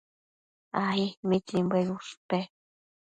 Ai. ¿mitsimbuebi ushpe?